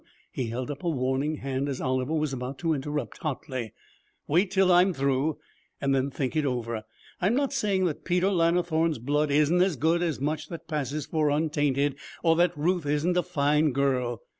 he held up a warning hand as Oliver was about to interrupt hotly. 'Wait till I'm through and then think it over. I'm not saying that Peter Lannithorne's blood isn't as good as much that passes for untainted, or that Ruth isn't a fine girl.